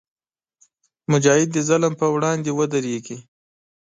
مجاهد د ظلم پر وړاندې ودریږي.